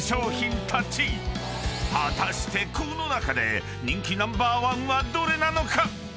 ［果たしてこの中で人気ナンバーワンはどれなのか？］